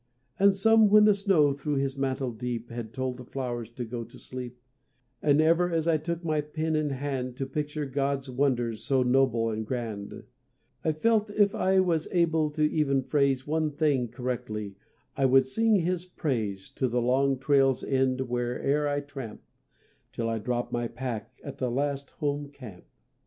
And some when the snow through his mantle deep Had told the flowers to go to sleep; And ever as I took my pen in hand To picture God's wonders so noble and grand, I felt if I was able to even phase One thing correctly, I would sing His praise To the long trail's end where e'er I tramp, Till I drop my pack at the last home camp.